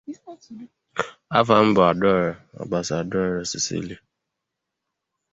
kasìé ndị Ụmụoji na ndị ezinụlọ ya obi